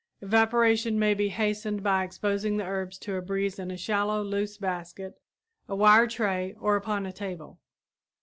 Evaporation may be hastened by exposing the herbs to a breeze in a shallow, loose basket, a wire tray or upon a table.